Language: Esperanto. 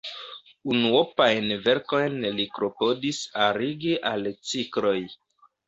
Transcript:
Unuopajn verkojn li klopodis arigi al cikloj.